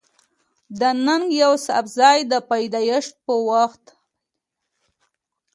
د ننګ يوسفزۍ د پېدايش پۀ وخت